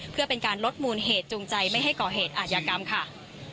เพื่อเป็นการลดมูลเหตุจูงใจไม่ให้ก่อเหตุอาชญากรรมค่ะ